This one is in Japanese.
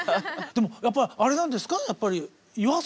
やっぱりあれなんですか？